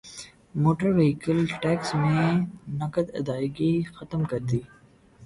motor vehicle tax میں نقد ادائیگی ختم کردی